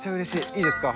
いいですか？